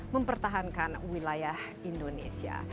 mempertahankan wilayah indonesia